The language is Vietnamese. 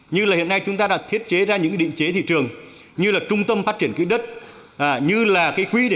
như là hiện nay chúng ta đã thiết chế ra những định chế thị trường như là trung tâm phát triển cửa đất